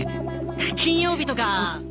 金曜日とか。